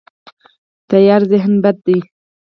تیاره ذهن بد دی.